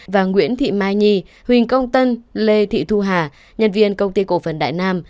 và nguyễn thị mai nhi huỳnh công tân lê thị thu hà nhân viên công ty cổ phần đại nam